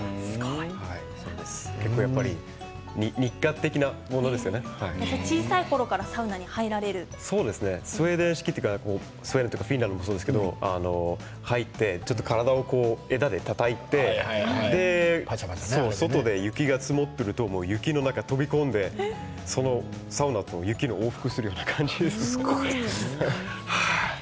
結構やっぱり小さいころからスウェーデン式というかフィンランドもそうですけれども入って体を枝でたたいて外で雪が積もっていると雪の中に飛び込んでサウナと雪を往復するような感じです。